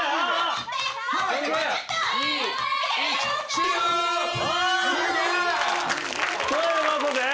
終了！ということで。